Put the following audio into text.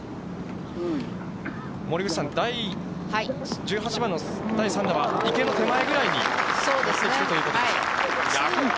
森口さん、第１８番の第３打は、池の手前ぐらいに落ちてきてということですか。